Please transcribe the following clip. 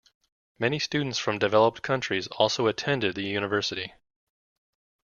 Many students from developed countries also attended the university.